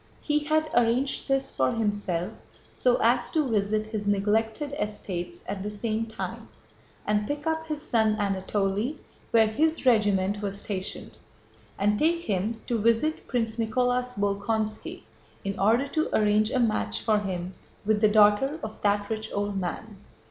He had arranged this for himself so as to visit his neglected estates at the same time and pick up his son Anatole where his regiment was stationed, and take him to visit Prince Nicholas Bolkónski in order to arrange a match for him with the daughter of that rich old man.